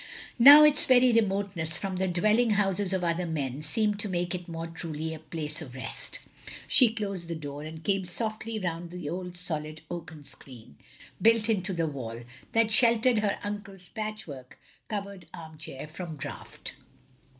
Now its very remoteness from the dwelling houses of other men seemed to make it more truly a place of rest. She closed the door and came softly round the old solid oaken screen, built into the wall, that sheltered her uncle's patchwork covered arm chair from draught.